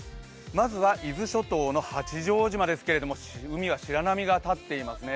まずは伊豆諸島の八丈島ですけれども、海は白波が立っていますね。